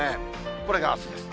これがあすです。